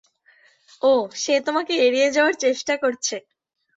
ওহ, সে তোমাকে এড়িয়ে যাওয়ার চেষ্টা করছে।